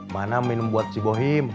mana minum buat si bohim